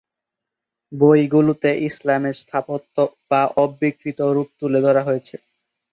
বইগুলোতে ইসলামের স্থাপত্য বা অবিকৃত রূপ তুলে ধরা হয়েছে।